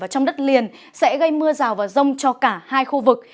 trong đất liền sẽ gây mưa rào và rông cho cả hai khu vực